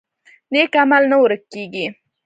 نیک عمل نه ورک کیږي